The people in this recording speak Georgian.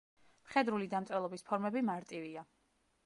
მხედრული დამწერლობის ფორმები მარტივია.